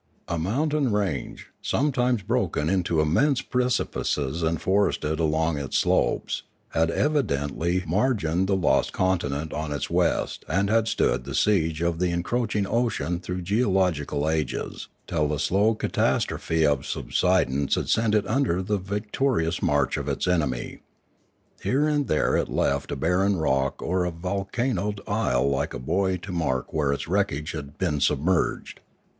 A mountain range, sometimes broken into immense precipices and forested along its slopes, had evidently margined the lost continent on its west and had stood the siege of the encroaching ocean through geological ages, till the slow catastrophe of subsidence had sent it under the victorious march of its enemy. Here and there it left a barren rock or a vol canoed isle like a buoy to mark where its wreckage had been submerged.